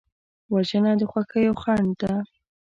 وژنه د خوښیو خنډ ده